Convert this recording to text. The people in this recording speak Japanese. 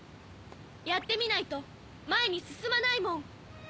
やってみないとまえにすすまないもん！